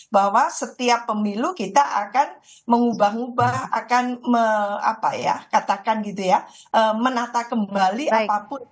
bahwa setiap pemilu kita akan mengubah ubah akan menata kembali apapun